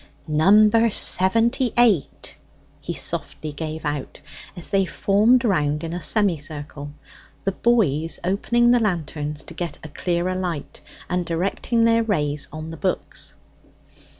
"Number seventy eight," he softly gave out as they formed round in a semicircle, the boys opening the lanterns to get a clearer light, and directing their rays on the books.